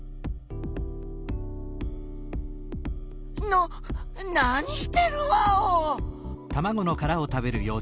な何してるワオ！？